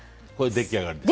出来上がり。